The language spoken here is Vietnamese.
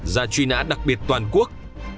ra truy nã đặc biệt toàn quốc